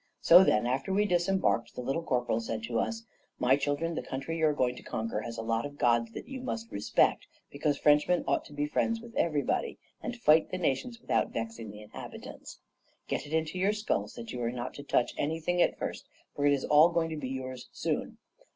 So then, after we disembarked, the Little Corporal said to us: 'My children, the country you are going to conquer has a lot of gods that you must respect; because Frenchmen ought to be friends with everybody, and fight the nations without vexing the inhabitants. Get it into your skulls that you are not to touch anything at first, for it is all going to be yours soon.